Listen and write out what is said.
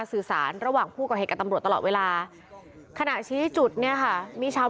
สื่อสารระหว่างผู้ก็ให้กันกับว่าตลอดเวลาขณะใช้จุดเนี่ยค่ะมีชาว